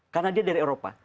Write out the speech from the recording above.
karena dia dari eropa